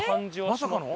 まさかの？